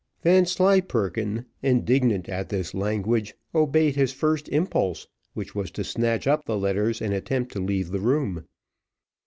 Vanslyperken, indignant at this language, obeyed his first impulse, which was to snatch up the letters and attempt to leave the room.